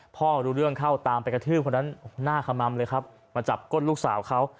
รู้เรื่องเข้าตามไปกระทืบคนนั้นหน้าขมัมเลยครับมาจับก้นลูกสาวเขา